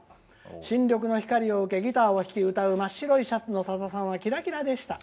新緑の光を受けギターを弾いて歌う真っ白いシャツのさださんはキラキラでした。